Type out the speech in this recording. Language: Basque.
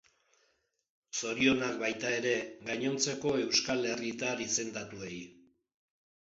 Zorionak, baita ere, gainontzeko euskal herritar izendatuei.